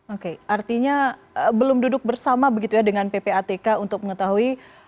oke artinya belum duduk bersama begitu ya dengan ppatk untuk mengetahui